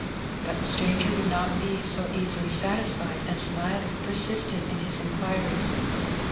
But the stranger would not be so easily satisfied, and smiling, persisted in his inquiries.